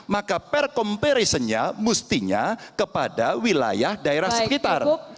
maka per comparisonnya mustinya kepada wilayah daerah sekitar